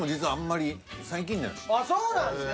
そうなんですね。